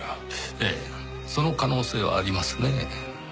ええその可能性はありますねぇ。